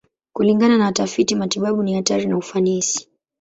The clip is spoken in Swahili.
Kulingana na watafiti matibabu, ni hatari na ufanisi.